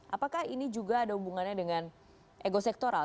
apakah ini juga ada hubungannya dengan ego sektoral